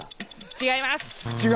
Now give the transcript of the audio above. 違います。